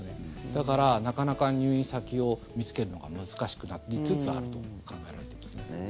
だから、なかなか入院先を見つけるのが難しくなりつつあると考えられています。